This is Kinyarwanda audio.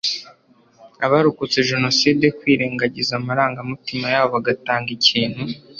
abarokotse Jenoside kwirengagiza amarangamutima yabo bagatanga ikintu